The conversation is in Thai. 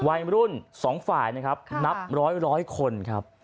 วัยรุ่น๒ฝ่ายนะครับนับร้อยคนครับ